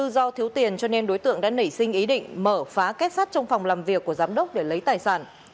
do thiếu tiền cho nên đối tượng đã nảy sinh ý định mở phá kết sát trong phòng làm việc của giám đốc để lấy tài sản